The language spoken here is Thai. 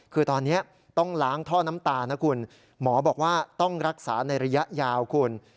คือตอนนี้ต้องล้างท่อน้ำตานะคุณหมอบอกว่าต้องรักษาในระยะยาวคุณ